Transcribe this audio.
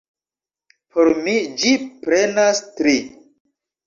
Por mi ĝi prenas tri.